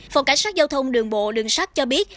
phòng cảnh sát giao thông đường bộ đường sắt cho biết